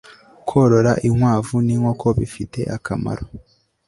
korora inkwavu n'inkoko bifite akamaro